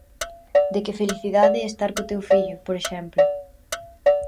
De que felicidade é estar co teu fillo, por exemplo.